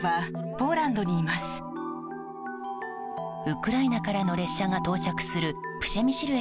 ウクライナからの列車が到着するプシェミシル